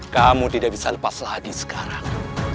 kamu tidak bisa lepas lagi sekarang